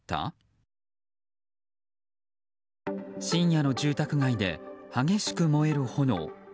深夜の住宅街で激しく燃える炎。